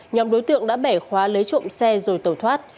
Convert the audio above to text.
nhóm đối tượng đã bẻ khóa lấy trộm xe rồi tẩu thoát